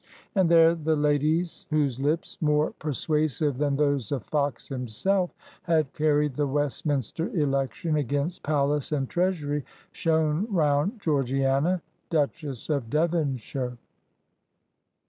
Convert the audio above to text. And there the ladies whose lips, more persuasive than those of Fox himself, had carried the Westminster election against palace and treasury, shone round Georgiana, Duchess of Devonshire.